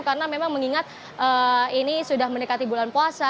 karena memang mengingat ini sudah menikati bulan puasa